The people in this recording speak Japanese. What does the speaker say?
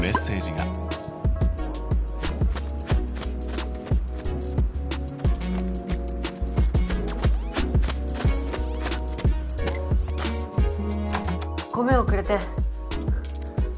ごめんおくれて。